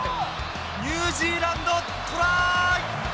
ニュージーランド、トライ！